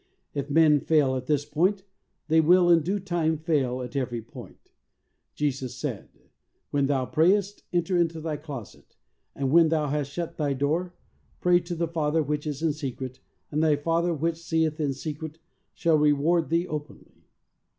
H men fail at this point, they will in due time fail at every point. Jesus said: "When thou prayest, enter into thy closet, and when thou hast shut thy door, pray to thy Father which is in secret, and thy Father which seeth in secret, shall reward thee 20 THE soul winner's SECRET. openly."